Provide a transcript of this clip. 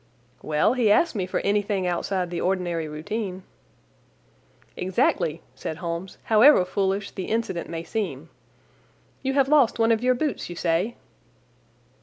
"Well, he asked me for anything outside the ordinary routine." "Exactly," said Holmes, "however foolish the incident may seem. You have lost one of your boots, you say?"